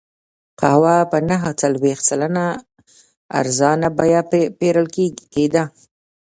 قهوه په نهه څلوېښت سلنه ارزانه بیه پېرل کېده.